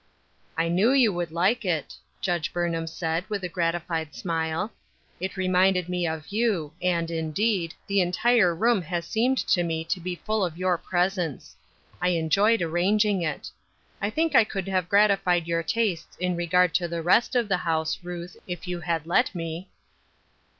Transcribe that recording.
" I knew you would like it," Judge Burnhara 290 My Daughters, 291 said, with a gratified smile. " It reminded me of you, and, indeed, the entire room has seemed to me to be full 3f your presence. I enjoyed arranging it. I think I could have gratified your tastes in regard to the rest of th^e house, Ruth, if you had let me."